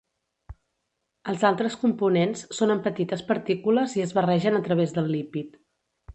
Els altres components són en petites partícules i es barregen a través del lípid.